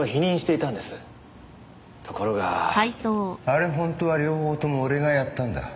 あれ本当は両方とも俺がやったんだ。